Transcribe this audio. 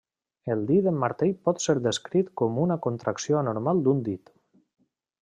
El dit en martell pot ser descrit com una contracció anormal d'un dit.